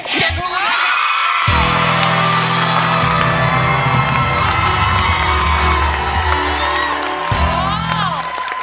เพลงเกล็ด